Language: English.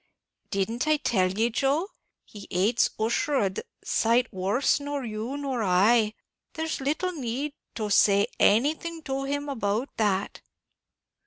"Didn't I tell ye, Joe, he hates Ussher a d d sight worse nor you or I; there's little need to say anything to him about that."